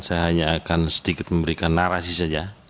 saya hanya akan sedikit memberikan narasi saja